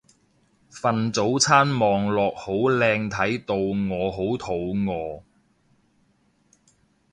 份早餐望落好靚睇到我好肚餓